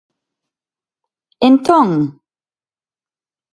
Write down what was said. Entón?